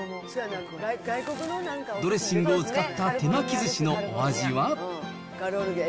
ドレッシングを使った手巻きずしのお味は？